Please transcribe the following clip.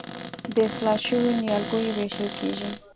د اصلاح شویو نیالګیو ویشل کیږي.